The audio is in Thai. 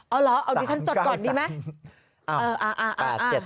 เอาละเอาดีฉันจดก่อนดีไหม